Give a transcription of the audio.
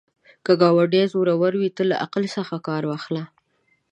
که ګاونډی زورور وي، ته له عقل کار واخله